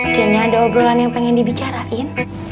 kayaknya ada obrolan yang pengen dibicarain